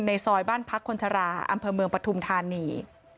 ซอยบ้านพักคนชราอำเภอเมืองปฐุมธานี